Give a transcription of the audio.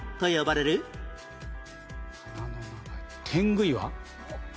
天狗岩。